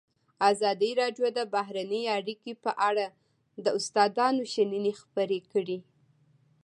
ازادي راډیو د بهرنۍ اړیکې په اړه د استادانو شننې خپرې کړي.